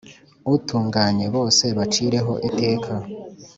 utunganye bose bacireho iteka